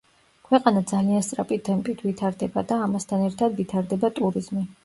ქვეყანა ძალიან სწრაფი ტემპით ვითარდება და ამასთან ერთად ვითარდება ტურიზმი.